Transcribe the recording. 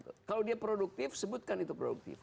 kalau dia produktif sebutkan itu produktif